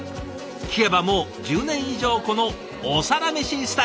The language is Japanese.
聞けばもう１０年以上このお皿メシスタイル。